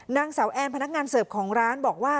นางสาวแอนพนักงานเสิร์ฟของร้านบอกว่า